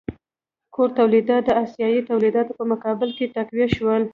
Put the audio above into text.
کور تولیدات د اسیايي تولیداتو په مقابل کې تقویه شول.